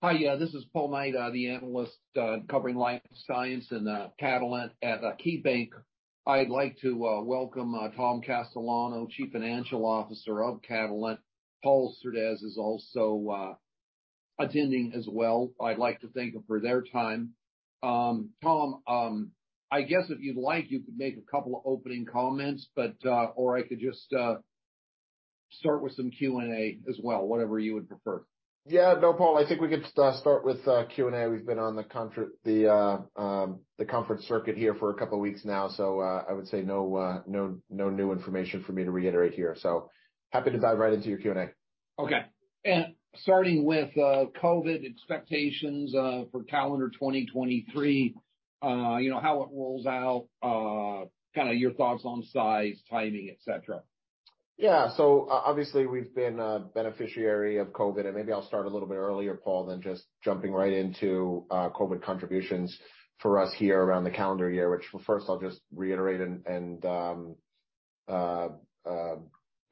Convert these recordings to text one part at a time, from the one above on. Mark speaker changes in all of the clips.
Speaker 1: Hi, yeah, this is Paul Knight, the analyst, covering life science in Catalent at KeyBanc Capital Markets. I'd like to welcome Tom Castellano, Chief Financial Officer of Catalent. Paul Surdez is also attending as well. I'd like to thank them for their time. Tom, I guess if you'd like, you could make a couple of opening comments, or I could just start with some Q&A as well, whatever you would prefer.
Speaker 2: No, Paul, I think we could start with Q&A. We've been on the conference circuit here for a couple of weeks now. I would say no new information for me to reiterate here, happy to dive right into your Q&A.
Speaker 1: Okay. Starting with COVID expectations for calendar 2023, you know, how it rolls out, kinda your thoughts on size, timing, et cetera.
Speaker 2: Yeah. Obviously, we've been a beneficiary of COVID, and maybe I'll start a little bit earlier, Paul, than just jumping right into COVID contributions for us here around the calendar year. Which first I'll just reiterate and,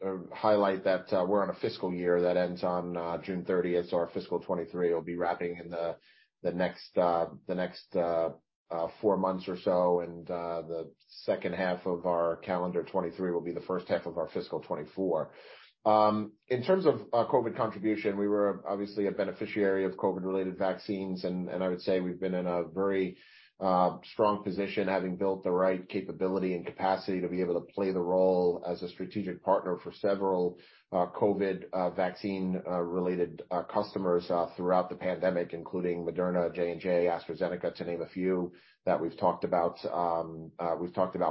Speaker 2: or highlight that we're on a fiscal year that ends on June 30th. Our fiscal 2023 will be wrapping in the next, the next 4 months or so. The second half of our calendar 2023 will be the first half of our fiscal 2024. In terms of COVID contribution, we were obviously a beneficiary of COVID-related vaccines. I would say we've been in a very strong position having built the right capability and capacity to be able to play the role as a strategic partner for several COVID vaccine related customers throughout the pandemic, including Moderna, J&J, AstraZeneca, to name a few that we've talked about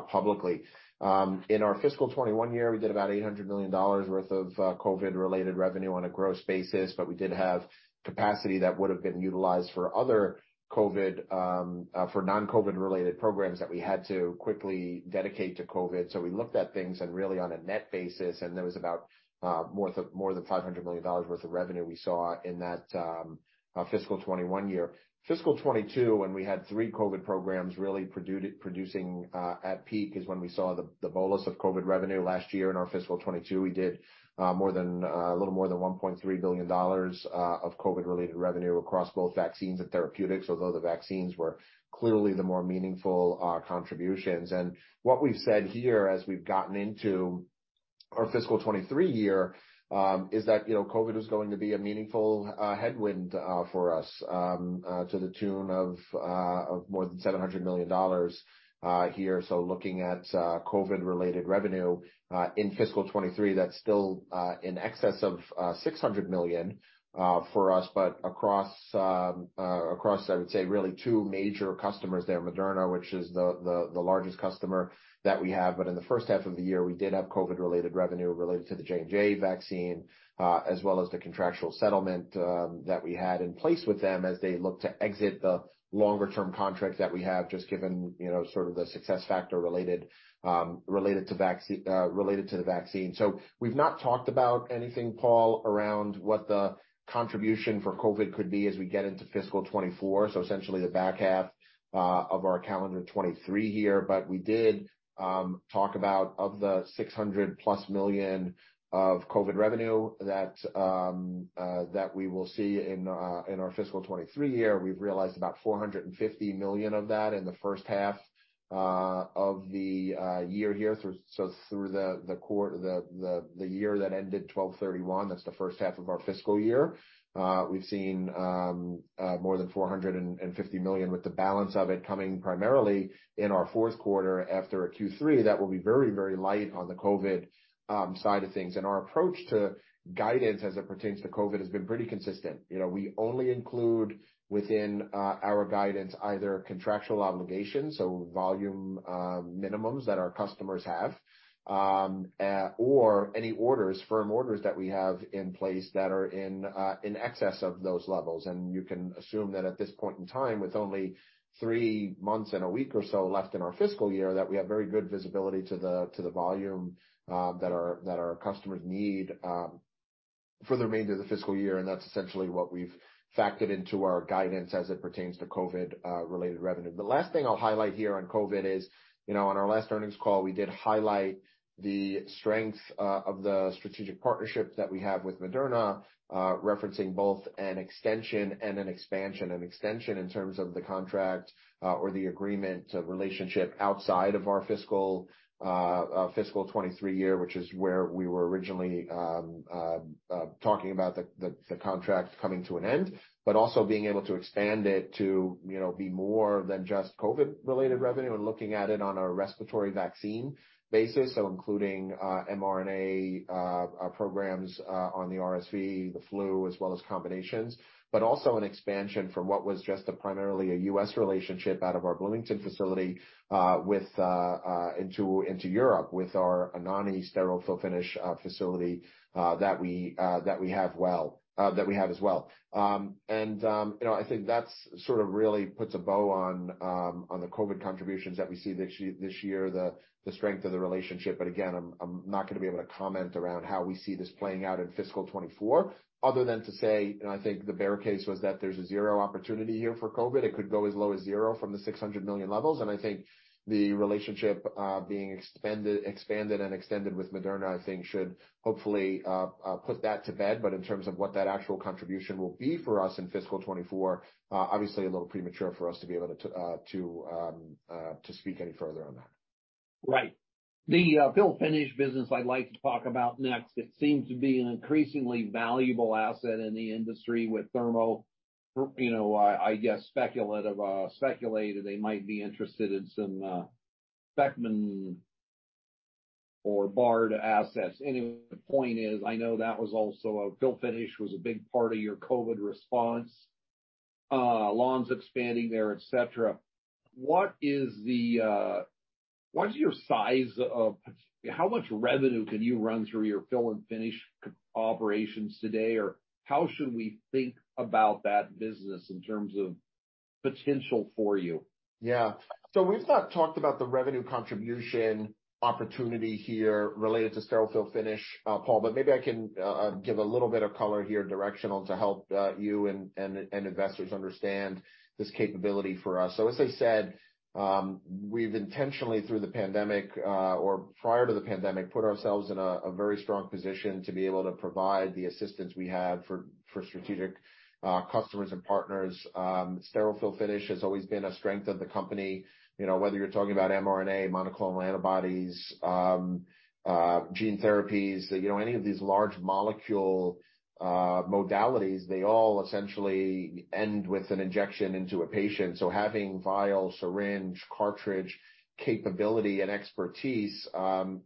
Speaker 2: publicly. In our fiscal 2021 year, we did about $800 million worth of COVID-related revenue on a gross basis, but we did have capacity that would have been utilized for other COVID for non-COVID-related programs that we had to quickly dedicate to COVID. We looked at things and really on a net basis, and there was about more than $500 million worth of revenue we saw in that fiscal 2021 year. Fiscal 2022, when we had three COVID programs really producing at peak is when we saw the bolus of COVID revenue last year in our fiscal 2022. We did a little more than $1.3 billion of COVID-related revenue across both vaccines and therapeutics, although the vaccines were clearly the more meaningful contributions. What we've said here as we've gotten into our fiscal 2023 year, is that, you know, COVID is going to be a meaningful headwind for us to the tune of more than $700 million here. Looking at COVID-related revenue in fiscal 2023, that's still in excess of $600 million for us. Across, across, I would say, really two major customers there, Moderna, which is the largest customer that we have. In the first half of the year, we did have COVID-related revenue related to the J&J vaccine, as well as the contractual settlement that we had in place with them as they look to exit the longer term contracts that we have just given, you know, sort of the success factor related to the vaccine. We've not talked about anything, Paul, around what the contribution for COVID could be as we get into fiscal 2024, so essentially the back half of our calendar 2023 here. We did talk about of the $600+ million of COVID revenue that we will see in our fiscal 2023 year. We've realized about $450 million of that in the first half of the year here through, so through the year that ended 12/31, that's the first half of our fiscal year. We've seen more than $450 million, with the balance of it coming primarily in our fourth quarter after a Q3 that will be very, very light on the COVID side of things. Our approach to guidance as it pertains to COVID has been pretty consistent. You know, we only include within our guidance either contractual obligations, so volume minimums that our customers have, or any orders, firm orders that we have in place that are in excess of those levels. You can assume that at this point in time, with only 3 months and a week or so left in our fiscal year, that we have very good visibility to the volume that our customers need for the remainder of the fiscal year. That's essentially what we've factored into our guidance as it pertains to COVID related revenue. The last thing I'll highlight here on COVID is, you know, on our last earnings call, we did highlight the strength of the strategic partnership that we have with Moderna, referencing both an extension and an expansion. An extension in terms of the contract or the agreement relationship outside of our fiscal 2023 year, which is where we were originally talking about the contract coming to an end. Also being able to expand it to, you know, be more than just COVID-related revenue and looking at it on a respiratory vaccine basis, so including mRNA programs on the RSV, the flu, as well as combinations. Also an expansion from what was just a primarily a U.S. relationship out of our Bloomington facility with into Europe with our non-sterile fill-finish facility that we have as well. You know, I think that's sort of really puts a bow on the COVID contributions that we see this year, the strength of the relationship. Again, I'm not gonna be able to comment around how we see this playing out in fiscal 2024 other than to say, I think the bear case was that there's a zero opportunity here for COVID. It could go as low as zero from the $600 million levels. I think the relationship, being expanded and extended with Moderna, I think should hopefully put that to bed. In terms of what that actual contribution will be for us in fiscal 2024, obviously a little premature for us to be able to speak any further on that.
Speaker 1: Right, the fill-finish business I'd like to talk about next. It seems to be an increasingly valuable asset in the industry with Thermo. You know, I guess speculative, speculated they might be interested in some Beckman or Bard assets. Anyway, the point is I know that was also a fill-finish was a big part of your COVID response. Lonza expanding there, et cetera. What is the, what is your how much revenue can you run through your fill-and-finish operations today? Or how should we think about that business in terms of potential for you?
Speaker 2: Yeah. We've not talked about the revenue contribution opportunity here related to sterile fill-finish, Paul, maybe I can give a little bit of color here directional to help you and investors understand this capability for us. As I said, we've intentionally through the pandemic, or prior to the pandemic, put ourselves in a very strong position to be able to provide the assistance we have for strategic customers and partners. Sterile fill-finish has always been a strength of the company. You know, whether you're talking about mRNA, monoclonal antibodies, gene therapies, you know, any of these large molecule modalities, they all essentially end with an injection into a patient. Having vial, syringe, cartridge capability and expertise,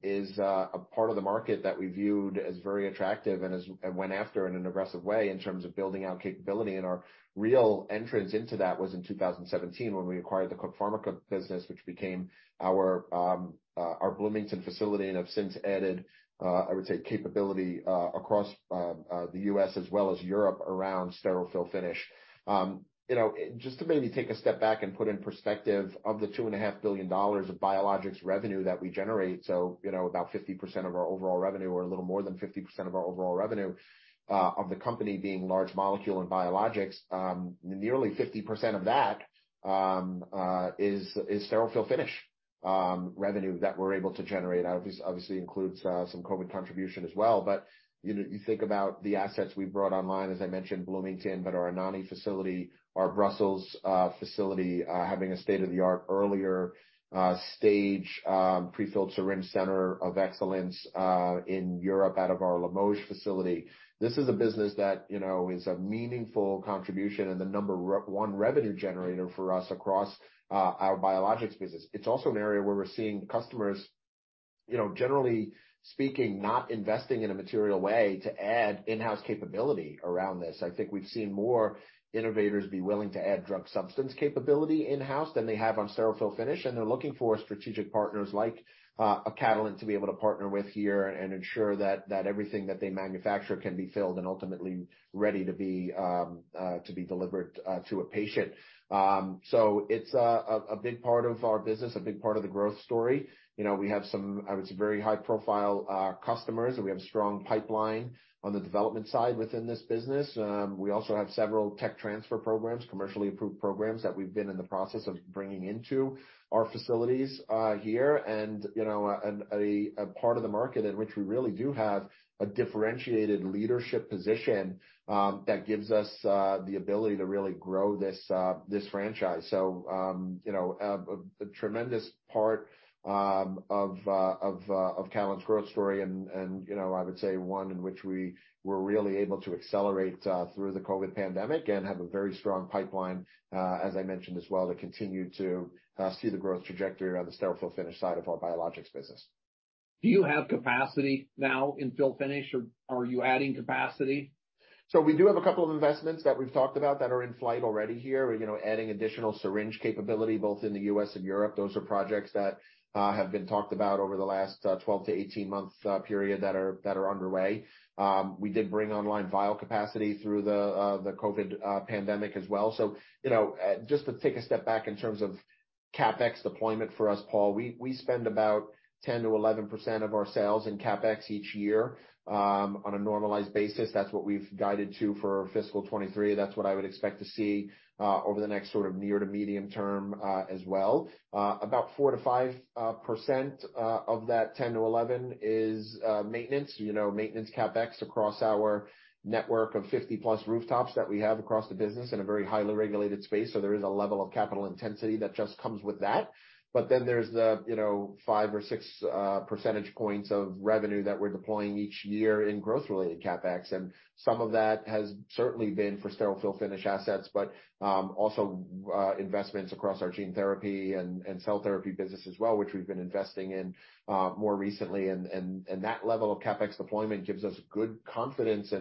Speaker 2: is a part of the market that we viewed as very attractive and went after in an aggressive way in terms of building out capability. Our real entrance into that was in 2017 when we acquired the Cook Pharmica business, which became our Bloomington facility, and have since added, I would say, capability, across the U.S. as well as Europe around sterile fill-finish. You know, just to maybe take a step back and put in perspective of the $2.5 billion of biologics revenue that we generate, you know, about 50% of our overall revenue or a little more than 50% of our overall revenue, of the company being large molecule and biologics, nearly 50% of that, is sterile fill-finish, revenue that we're able to generate. Obviously includes some COVID contribution as well. You know, you think about the assets we brought online, as I mentioned, Bloomington, but our Anagni facility, our Brussels facility, having a state-of-the-art earlier stage, prefilled syringe center of excellence, in Europe out of our Limoges facility. This is a business that, you know, is a meaningful contribution and the number 1 revenue generator for us across our biologics business. It's also an area where we're seeing customers, you know, generally speaking, not investing in a material way to add in-house capability around this. I think we've seen more innovators be willing to add drug substance capability in-house than they have on sterile fill-finish, and they're looking for strategic partners like Catalent to be able to partner with here and ensure that everything that they manufacture can be filled and ultimately ready to be delivered to a patient. It's a big part of our business, a big part of the growth story. You know, we have some, I would say, very high-profile customers. We have strong pipeline on the development side within this business. We also have several tech transfer programs, commercially approved programs that we've been in the process of bringing into our facilities here. You know, and a part of the market in which we really do have a differentiated leadership position, that gives us the ability to really grow this franchise. You know, a tremendous part of Catalent's growth story and, you know, I would say one in which we were really able to accelerate through the COVID pandemic and have a very strong pipeline, as I mentioned as well, to continue to see the growth trajectory around the sterile fill-finish side of our biologics business.
Speaker 1: Do you have capacity now in fill-finish or are you adding capacity?
Speaker 2: We do have a couple of investments that we've talked about that are in flight already here. You know, adding additional syringe capability both in the U.S. and Europe. Those are projects that have been talked about over the last 12 to 18 month period that are underway. We did bring online vial capacity through the COVID pandemic as well. You know, just to take a step back in terms of CapEx deployment for us, Paul, we spend about 10%-11% of our sales in CapEx each year. On a normalized basis, that's what we've guided to for fiscal 2023. That's what I would expect to see over the next sort of near to medium term as well. About 4%-5% of that 10%-11% is maintenance, you know, maintenance CapEx across our network of 50-plus rooftops that we have across the business in a very highly regulated space. There is a level of capital intensity that just comes with that. Then there's the, you know, 5 or 6 percentage points of revenue that we're deploying each year in growth-related CapEx. Some of that has certainly been for sterile fill-finish assets, but also investments across our gene therapy and cell therapy business as well, which we've been investing in more recently. That level of CapEx deployment gives us good confidence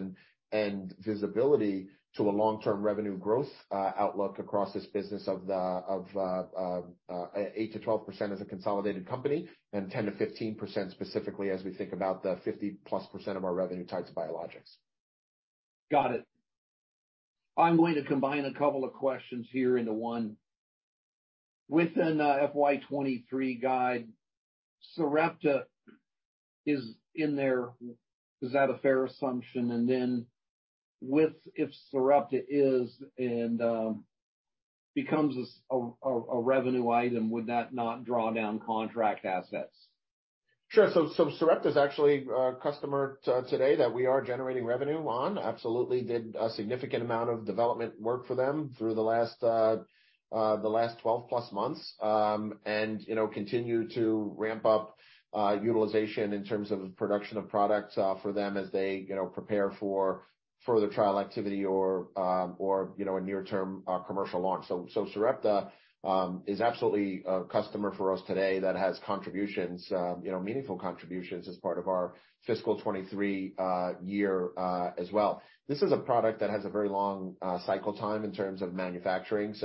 Speaker 2: and visibility to a long-term revenue growth outlook across this business of 8%-12% as a consolidated company and 10%-15% specifically as we think about the 50%+ of our revenue tied to biologics.
Speaker 1: Got it. I'm going to combine a couple of questions here into one. Within the FY '23 guide, Sarepta is in there. Is that a fair assumption? Then if Sarepta is and becomes a revenue item, would that not draw down contract assets?
Speaker 2: Sure. Sarepta is actually a customer today that we are generating revenue on. Absolutely did a significant amount of development work for them through the last 12 plus months. You know, continue to ramp up utilization in terms of production of products for them as they, you know, prepare for further trial activity or, you know, a near-term commercial launch. Sarepta, is absolutely a customer for us today that has contributions, you know, meaningful contributions as part of our fiscal 23 year as well. This is a product that has a very long cycle time in terms of manufacturing.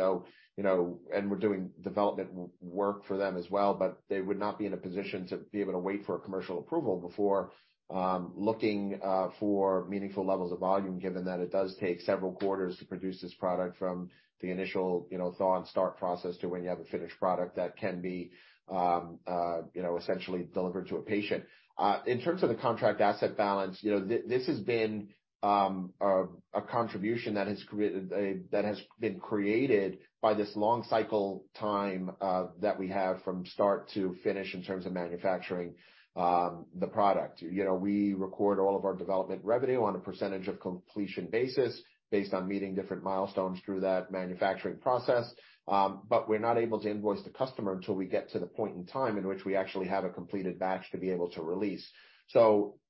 Speaker 2: You know, and we're doing development work for them as well, but they would not be in a position to be able to wait for a commercial approval before looking for meaningful levels of volume, given that it does take several quarters to produce this product from the initial, you know, thaw and start process to when you have a finished product that can be, you know, essentially delivered to a patient. In terms of the contract asset balance, you know, this has been a contribution that has created that has been created by this long cycle time that we have from start to finish in terms of manufacturing the product. You know, we record all of our development revenue on a percentage of completion basis based on meeting different milestones through that manufacturing process. But we're not able to invoice the customer until we get to the point in time in which we actually have a completed batch to be able to release.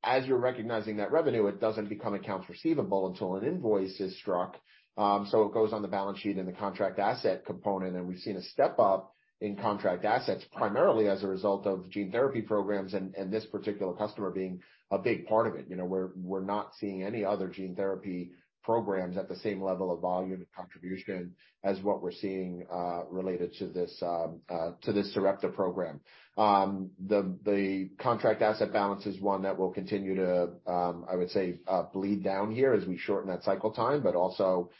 Speaker 2: As you're recognizing that revenue, it doesn't become accounts receivable until an invoice is struck. It goes on the balance sheet in the contract asset component, and we've seen a step up in contract assets, primarily as a result of gene therapy programs and this particular customer being a big part of it. You know, we're not seeing any other gene therapy programs at the same level of volume and contribution as what we're seeing related to this Sarepta program. The contract asset balance is one that will continue to, I would say, bleed down here as we shorten that cycle time, but also,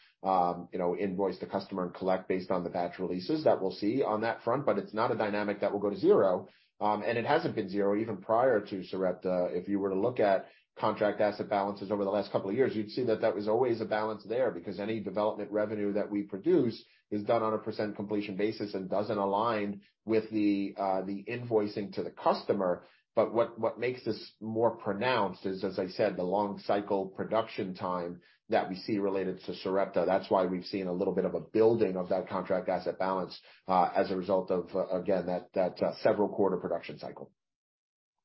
Speaker 2: you know, invoice the customer and collect based on the batch releases that we'll see on that front. It's not a dynamic that will go to zero, and it hasn't been zero even prior to Sarepta. If you were to look at contract asset balances over the last couple of years, you'd see that that was always a balance there because any development revenue that we produce is done on a percent completion basis and doesn't align with the invoicing to the customer. What makes this more pronounced is, as I said, the long cycle production time that we see related to Sarepta. That's why we've seen a little bit of a building of that contract asset balance, as a result of, again, that several quarter production cycle.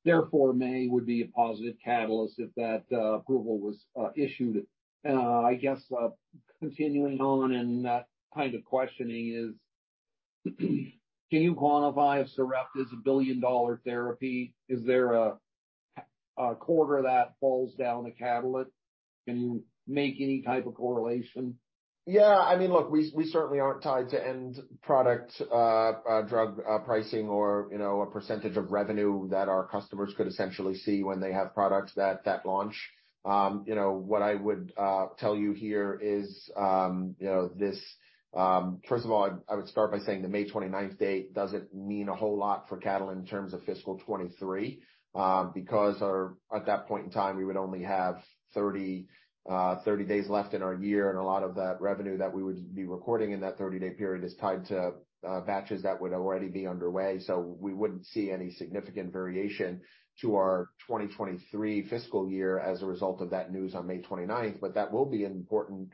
Speaker 1: Therefore, May would be a positive catalyst if that approval was issued. I guess, continuing on in that line of questioning is, can you quantify if Sarepta is a billion-dollar therapy? Is there a quarter that falls down to Catalent? Can you make any type of correlation?
Speaker 2: Yeah. I mean, look, we certainly aren't tied to end product, drug, pricing or, you know, a percentage of revenue that our customers could essentially see when they have products that launch. you know, what I would tell you here is, you know, this first of all, I would start by saying the May 29th date doesn't mean a whole lot for Catalent in terms of fiscal 2023. because at that point in time, we would only have 30 days left in our year, and a lot of that revenue that we would be recording in that 30-day period is tied to batches that would already be underway. we wouldn't see any significant variation to our 2023 fiscal year as a result of that news on May 29th. That will be an important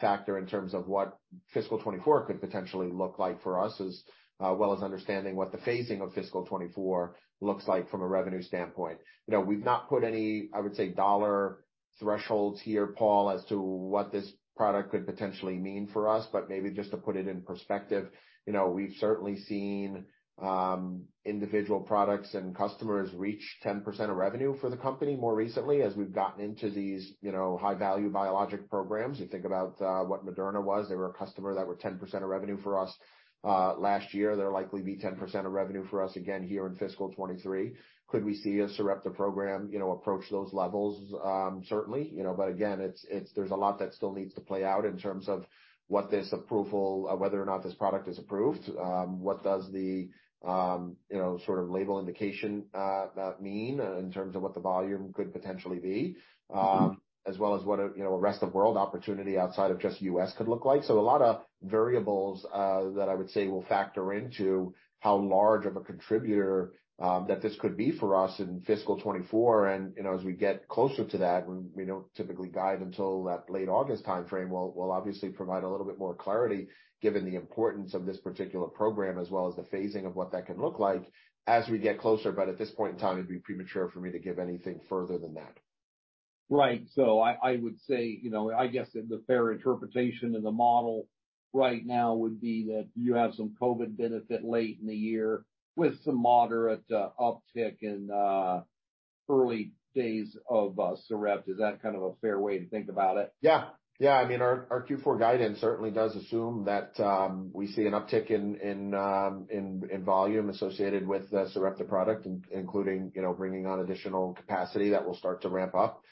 Speaker 2: factor in terms of what fiscal 2024 could potentially look like for us, as well as understanding what the phasing of fiscal 2024 looks like from a revenue standpoint. You know, we've not put any, I would say, dollar thresholds here, Paul Knight, as to what this product could potentially mean for us. Maybe just to put it in perspective, you know, we've certainly seen individual products and customers reach 10% of revenue for the company more recently as we've gotten into these, you know, high-value biologic programs. You think about what Moderna was. They were a customer that were 10% of revenue for us last year. They're likely be 10% of revenue for us again here in fiscal 2023. Could we see a Sarepta program, you know, approach those levels? Certainly. You know, again, it's there's a lot that still needs to play out in terms of what this approval, whether or not this product is approved. What does the, you know, sort of label indication mean in terms of what the volume could potentially be? As well as what a, you know, a rest of world opportunity outside of just U.S. could look like. A lot of variables that I would say will factor into how large of a contributor that this could be for us in fiscal 24. You know, as we get closer to that, we don't typically guide until that late August timeframe. We'll obviously provide a little bit more clarity given the importance of this particular program as well as the phasing of what that can look like as we get closer. At this point in time, it'd be premature for me to give anything further than that.
Speaker 1: I would say, you know, I guess the fair interpretation in the model right now would be that you have some COVID benefit late in the year with some moderate uptick in early days of Sarepta. Is that kind of a fair way to think about it?
Speaker 2: Yeah. Yeah. I mean, our Q4 guidance certainly does assume that, we see an uptick in volume associated with the Sarepta product, including, you know, bringing on additional capacity that will start to ramp up,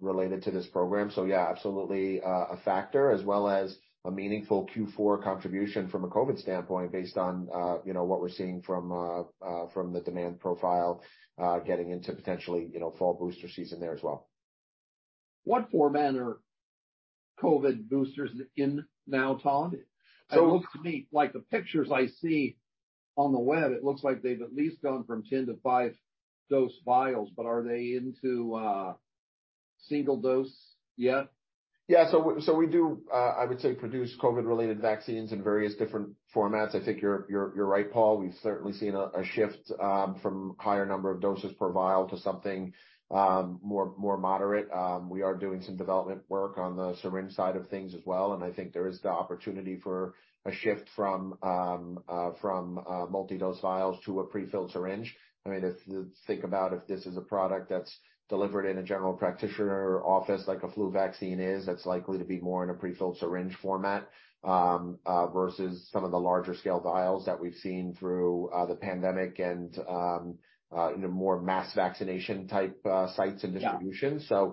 Speaker 2: related to this program. Yeah, absolutely, a factor as well as a meaningful Q4 contribution from a COVID standpoint based on, you know, what we're seeing from the demand profile, getting into potentially, you know, fall booster season there as well.
Speaker 1: What format are COVID boosters in now, Tom?
Speaker 2: So-
Speaker 1: It looks to me like the pictures I see on the web, it looks like they've at least gone from 10 to 5 dose vials, but are they into, single dose yet?
Speaker 2: We do I would say produce COVID-related vaccines in various different formats. I think you're right, Paul. We've certainly seen a shift from higher number of doses per vial to something more moderate. We are doing some development work on the syringe side of things as well, and I think there is the opportunity for a shift from multi-dose vials to a prefilled syringe. I mean, if you think about if this is a product that's delivered in a general practitioner office like a flu vaccine is, that's likely to be more in a prefilled syringe format versus some of the larger scale vials that we've seen through the pandemic and you know more mass vaccination type sites and distributions.
Speaker 1: Yeah.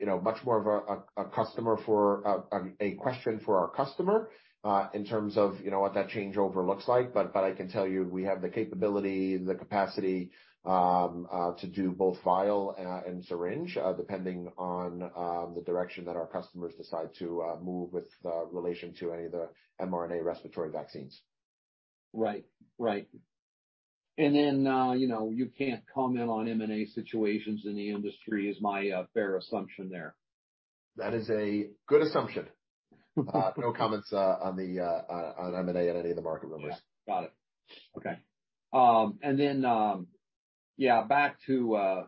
Speaker 2: you know, much more of a question for our customer, in terms of, you know, what that changeover looks like. I can tell you we have the capability, the capacity, to do both vial, and syringe, depending on the direction that our customers decide to move with relation to any of the mRNA respiratory vaccines.
Speaker 1: Right. Right. you know, you can't comment on M&A situations in the industry is my, fair assumption there.
Speaker 2: That is a good assumption. No comments on the on M&A and any of the market rumors.
Speaker 1: Yeah. Got it. Okay. Yeah, back to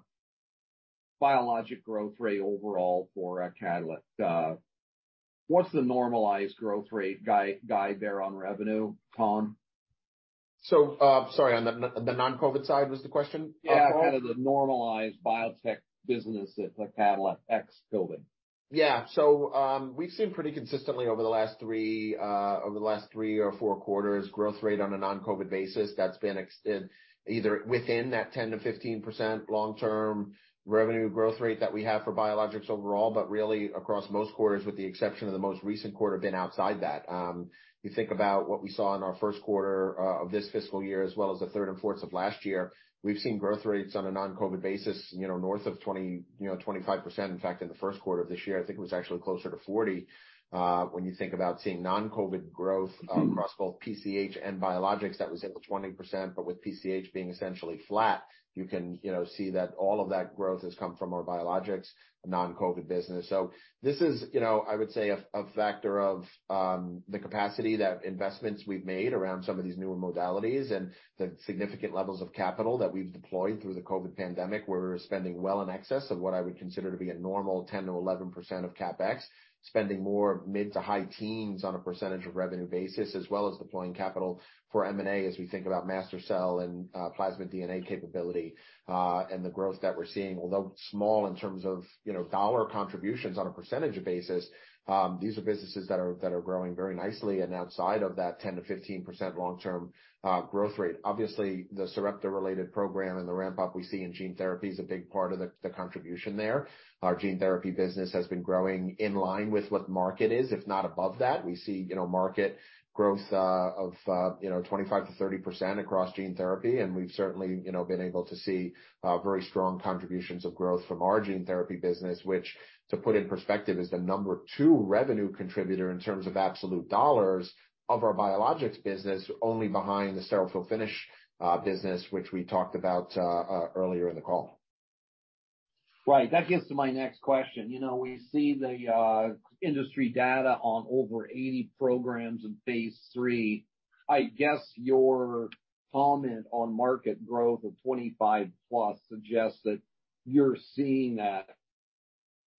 Speaker 1: biologic growth rate overall for Catalent. What's the normalized growth rate guide there on revenue, Tom?
Speaker 2: Sorry, on the non-COVID side was the question, Paul?
Speaker 1: Yeah, kind of the normalized biotech business at Catalent X building.
Speaker 2: Yeah. We've seen pretty consistently over the last 3, over the last 3 or 4 quarters, growth rate on a non-COVID basis that's been either within that 10%-15% long-term revenue growth rate that we have for biologics overall, but really across most quarters, with the exception of the most recent quarter, been outside that. You think about what we saw in our first quarter of this fiscal year, as well as the 3rd and 4th of last year. We've seen growth rates on a non-COVID basis, you know, north of 20, you know, 25%. In fact, in the first quarter of this year, I think it was actually closer to 40. When you think about seeing non-COVID growth-
Speaker 1: Mm-hmm
Speaker 2: across both PCH and biologics, that was over 20%. With PCH being essentially flat, you can, you know, see that all of that growth has come from our biologics non-COVID business. This is, you know, I would say a factor of the capacity that investments we've made around some of these newer modalities and the significant levels of capital that we've deployed through the COVID pandemic, where we're spending well in excess of what I would consider to be a normal 10%-11% of CapEx. Spending more mid to high teens on a percentage of revenue basis, as well as deploying capital for M&A as we think about MaSTherCell and plasmid DNA capability and the growth that we're seeing. Although small in terms of, you know, dollar contributions on a percentage basis, these are businesses that are growing very nicely and outside of that 10%-15% long-term growth rate. Obviously, the Sarepta-related program and the ramp-up we see in gene therapy is a big part of the contribution there. Our gene therapy business has been growing in line with what the market is, if not above that. We see, you know, market growth of, you know, 25%-30% across gene therapy, and we've certainly, you know, been able to see very strong contributions of growth from our gene therapy business. Which, to put in perspective, is the number two revenue contributor in terms of absolute dollars of our biologics business, only behind the sterile fill-finish business, which we talked about earlier in the call.
Speaker 1: Right. That gets to my next question. You know, we see the industry data on over 80 programs in phase III. I guess your comment on market growth of 25%+ suggests that you're seeing that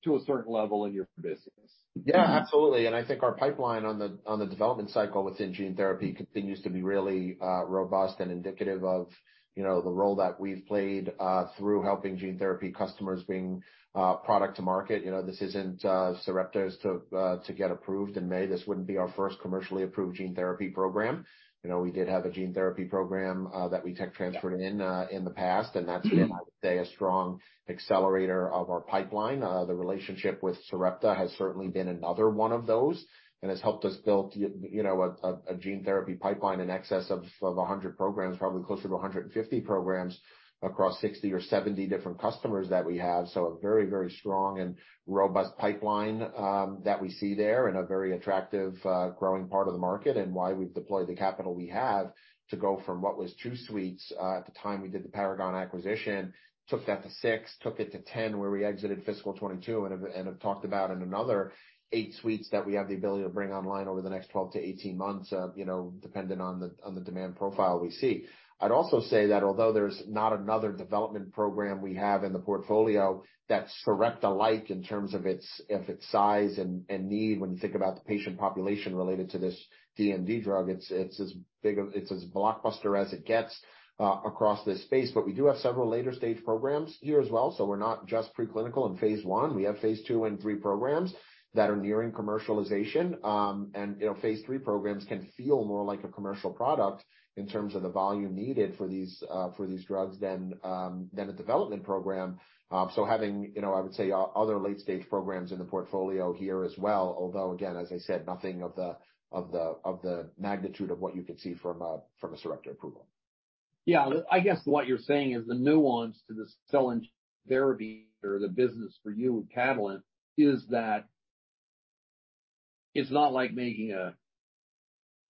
Speaker 1: to a certain level in your business.
Speaker 2: Yeah, absolutely. I think our pipeline on the development cycle within gene therapy continues to be really robust and indicative of, you know, the role that we've played through helping gene therapy customers bring product to market. You know, this isn't Sarepta's to get approved in May. This wouldn't be our first commercially approved gene therapy program. You know, we did have a gene therapy program that we tech transferred in the past, and that's been, I would say, a strong accelerator of our pipeline. The relationship with Sarepta has certainly been another one of those and has helped us build you know, a gene therapy pipeline in excess of 100 programs, probably closer to 150 programs across 60 or 70 different customers that we have. A very, very strong and robust pipeline that we see there and a very attractive, growing part of the market and why we've deployed the capital we have to go from what was 2 suites at the time we did the Paragon acquisition, took that to 6, took it to 10, where we exited fiscal 2022 and have, and have talked about in another 8 suites that we have the ability to bring online over the next 12 to 18 months, you know, dependent on the, on the demand profile we see. I'd also say that although there's not another development program we have in the portfolio that's Sarepta-like in terms of its, of its size and need, when you think about the patient population related to this DMD drug, it's as blockbuster as it gets across this space. We do have several later stage programs here as well, so we're not just pre-clinical and phase one. We have phase two and three programs that are nearing commercialization. You know, phase three programs can feel more like a commercial product in terms of the volume needed for these for these drugs than a development program. Having, you know, I would say other late-stage programs in the portfolio here as well, although again, as I said, nothing of the magnitude of what you could see from a, from a Sarepta approval.
Speaker 1: Yeah, I guess what you're saying is the nuance to the cell and gene therapy or the business for you and Catalent is that it's not like making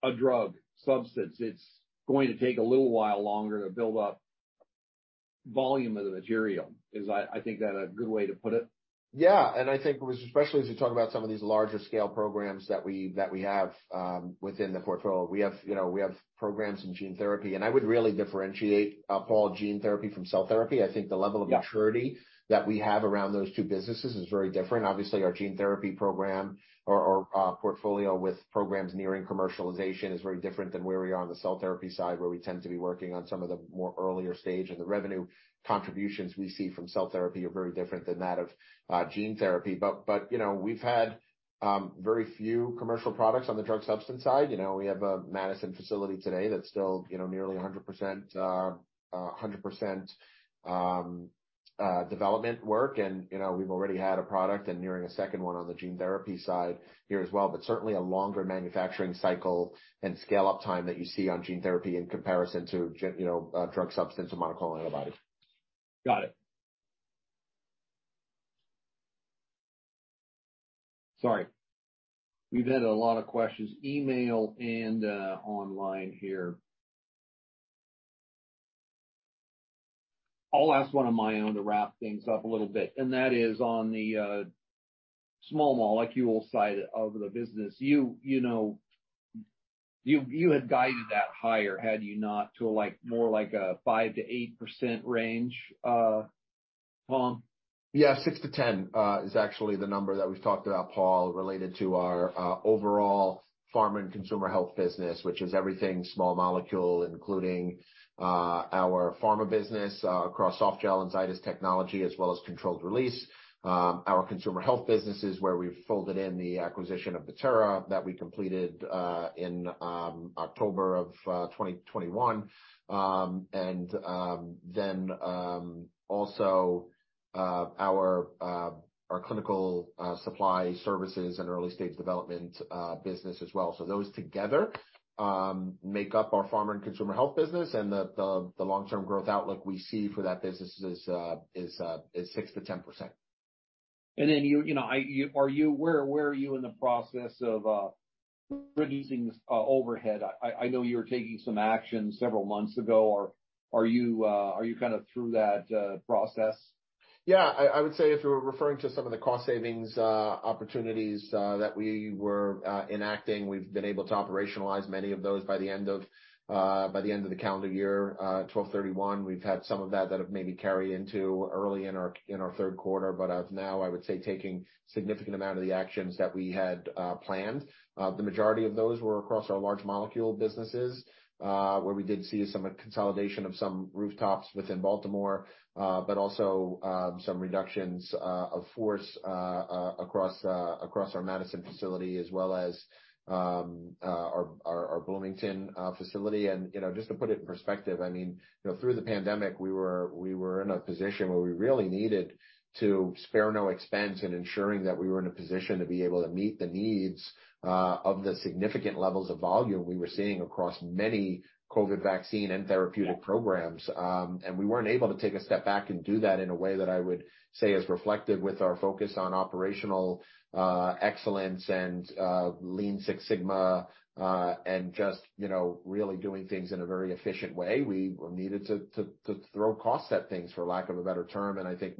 Speaker 1: a drug substance. It's going to take a little while longer to build up volume of the material. Is I think that a good way to put it?
Speaker 2: Yeah. I think, especially as you talk about some of these larger scale programs that we have within the portfolio. We have, you know, we have programs in gene therapy, and I would really differentiate Paul, gene therapy from cell therapy. I think the level of maturity that we have around those two businesses is very different. Obviously, our gene therapy program or portfolio with programs nearing commercialization is very different than where we are on the cell therapy side, where we tend to be working on some of the more earlier stage. The revenue contributions we see from cell therapy are very different than that of gene therapy. But, you know, we've had very few commercial products on the drug substance side. You know, we have a Madison facility today that's still, you know, nearly 100% development work. You know, we've already had a product and nearing a second one on the gene therapy side here as well. Certainly a longer manufacturing cycle and scale-up time that you see on gene therapy in comparison to you know, drug substance or monoclonal antibodies.
Speaker 1: Got it. Sorry. We've had a lot of questions, email and online here. I'll ask one of my own to wrap things up a little bit. That is on the small molecule side of the business. You, you know, you had guided that higher, had you not, to a like, more like a 5%-8% range, Tom?
Speaker 2: Yeah. 6% to 10%, is actually the number that we've talked about, Paul, related to our overall pharma and consumer health business, which is everything small molecule, including our pharma business across softgel and Zydis technology, as well as controlled release. Our consumer health business is where we folded in the acquisition of Bettera that we completed in October of 2021. Then also our clinical supply services and early stage development business as well. Those together make up our pharma and consumer health business and the long-term growth outlook we see for that business is 6% to 10%.
Speaker 1: You, you know, where are you in the process of reducing overhead? I know you were taking some action several months ago. Are you kinda through that process?
Speaker 2: Yeah. I would say if you were referring to some of the cost savings opportunities that we were enacting, we've been able to operationalize many of those by the end of the calendar year 12/31. We've had some of that that have maybe carried into early in our third quarter. As of now, I would say taking significant amount of the actions that we had planned. The majority of those were across our large molecule businesses, where we did see some consolidation of some rooftops within Baltimore, but also some reductions of force across our Madison facility as well as our Bloomington facility. you know, just to put it in perspective, I mean, you know, through the pandemic, we were in a position where we really needed to spare no expense in ensuring that we were in a position to be able to meet the needs of the significant levels of volume we were seeing across many COVID vaccine and therapeutic programs. We weren't able to take a step back and do that in a way that I would say is reflective with our focus on operational excellence and Lean Six Sigma and just, you know, really doing things in a very efficient way. We needed to throw cost at things, for lack of a better term. I think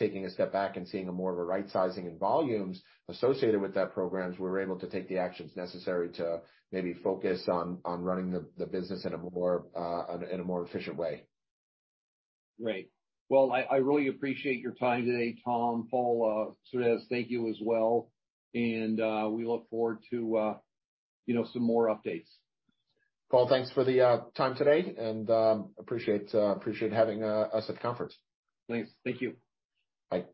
Speaker 2: now taking a step back and seeing a more of a right sizing in volumes associated with that programs, we're able to take the actions necessary to maybe focus on running the business in a more efficient way.
Speaker 1: Great. Well, I really appreciate your time today, Tom. Paul Surdez, thank you as well. We look forward to, you know, some more updates.
Speaker 2: Paul, thanks for the time today and appreciate having us at conference.
Speaker 1: Thanks. Thank you.
Speaker 2: Bye.